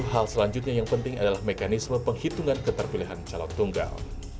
hal selanjutnya yang penting adalah mekanisme penghitungan keterpilihan calon tunggal